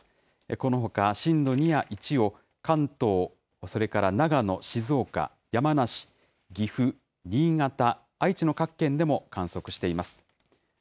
このほか、震度２や１を関東、それから長野、静岡、山梨、岐阜、新潟、愛知の各県でも観測しています。